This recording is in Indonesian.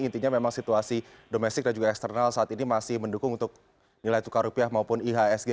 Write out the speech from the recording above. intinya memang situasi domestik dan juga eksternal saat ini masih mendukung untuk nilai tukar rupiah maupun ihsg